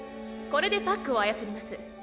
これでパックを操ります。